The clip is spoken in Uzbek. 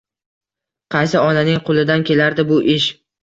Qaysi onaning qo'lidan kelardi bu ish?!